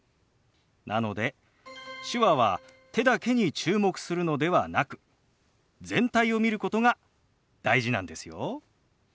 なので手話は手だけに注目するのではなく全体を見ることが大事なんですよ。